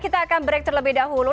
kita akan break terlebih dahulu